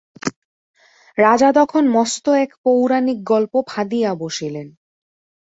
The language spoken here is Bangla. রাজা তখন মস্ত এক পৌরাণিক গল্প ফাঁদিয়া বসিলেন।